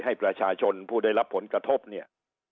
ให้ประชาชนผู้ได้รับผลกระทบเนี่ย